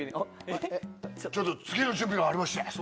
ちょっと次の準備がありましてすいません！